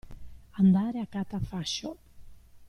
Andare a catafascio.